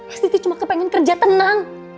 esi cuma kepengen kerja tenang